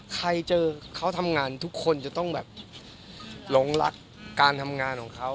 ใครเจอเขาทำงานทุกคนจะต้องแบบหลงรักการทำงานของเขา